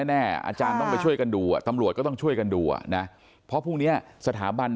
แน่อาจารย์ต้องกันดูก็ช่วยกันดูนะเพราะพรุ่งนี้สถาบัน